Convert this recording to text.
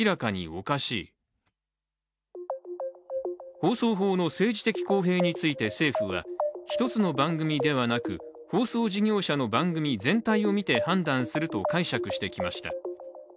放送法の政治的公平について政府は、一つの番組ではなく放送事業者の番組全体を見て判断すると解釈してきました。